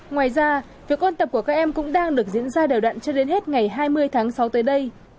ngoài ra việc ôn tập của các em cũng đang được diễn ra đều đặn cho đến hết ngày hai mươi tháng sáu tới đây